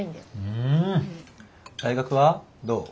うん！大学はどう？